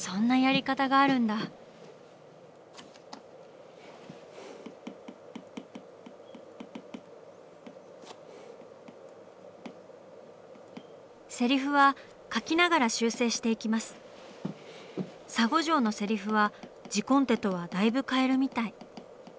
沙悟浄のセリフは字コンテとはだいぶ変えるみたい。